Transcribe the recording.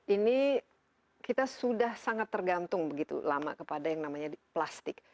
ini kita sudah sangat tergantung begitu lama kepada yang namanya plastik